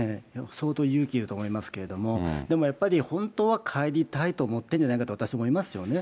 相当勇気いると思いますけれども、でもやっぱり本当は帰りたいと思ってるんじゃないかと、私は思いますよね。